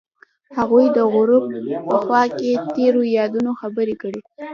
هغوی د غروب په خوا کې تیرو یادونو خبرې کړې.